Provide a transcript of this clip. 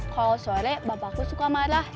kalau sore bapakku suka marah